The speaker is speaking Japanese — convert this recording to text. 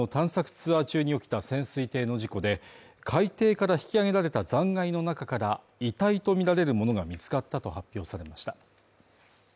ツアー中に起きた潜水艇の事故で、海底から引き揚げられた残骸の中から遺体とみられるものが見つかったと発表されました。